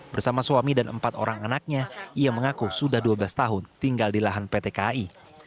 bersama suami dan empat orang anaknya ia mengaku sudah dua belas tahun tinggal di lahan pt kai